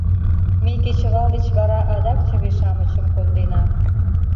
Ме кечывал деч вара адак чыве-шамычым кондена.